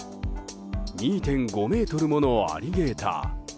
２．５ｍものアリゲーター。